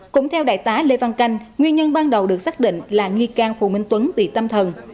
cũng theo đại tá lê văn canh nguyên nhân ban đầu được xác định là nghi can phù minh tuấn bị tâm thần